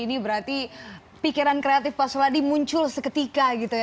ini berarti pikiran kreatif pak seladil muncul seketika